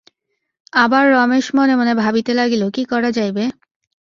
আবার রমেশ মনে মনে ভাবিতে লাগিল কী করা যাইবে?